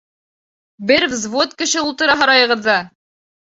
Бер взвод кеше ултыра һарайығыҙҙа!